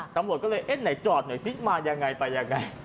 ตำรวจก็เลยเอ๊ะไหนจอดหน่อยซิมายังไงไปยังไง